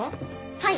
はい！